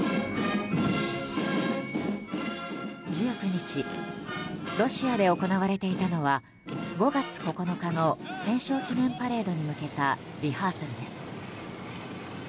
１９日ロシアで行われていたのは５月９日の戦勝記念パレードに向けたリハーサルです。